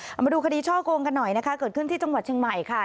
เอามาดูคดีช่อโกงกันหน่อยนะคะเกิดขึ้นที่จังหวัดเชียงใหม่ค่ะ